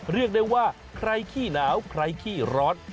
เรียกได้ว่าใครขี้หนาวใครขี้ร้อน